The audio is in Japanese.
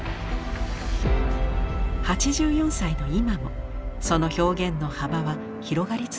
８４歳の今もその表現の幅は広がり続けています。